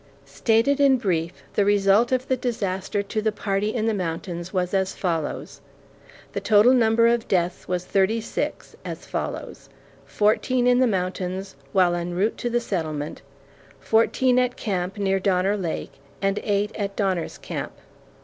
Stated in brief, the result of the disaster to the party in the mountains was as follows: The total number of deaths was thirty six, as follows: fourteen in the mountains while en route to the settlement; fourteen at camp near Donner Lake; and eight at Donner's Camp.